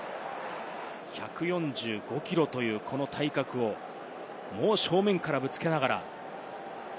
１４５キロというこの体格をもう正面からぶつけながら。